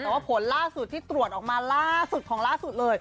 แต่ว่าผลล่าสุดที่ตรวจออกมาล่าสุดของล่าสุดเลย